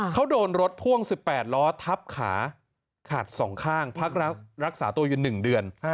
เขาโดนรถพ่วง๑๘ล้อทับขาขาด๒ข้างพักรักษาตัวอยู่๑เดือน